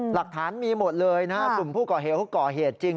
หลักฐานมีหมดเลยนะกลุ่มผู้ก่อเหตุเขาก่อเหตุจริง